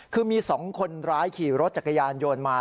คือมี๒คนร้ายขี่รถจักรยานโยนมา